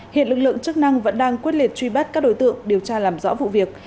hiện lực lượng chức năng vẫn đang quyết liệt truy bắt các đối tượng điều tra làm rõ vụ việc